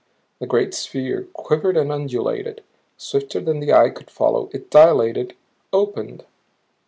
The great sphere quivered and undulated. Swifter than the eye could follow it dilated; opened!